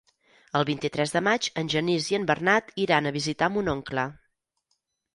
El vint-i-tres de maig en Genís i en Bernat iran a visitar mon oncle.